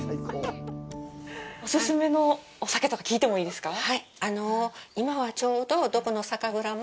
お勧めのお酒とか聞いてもいいですか。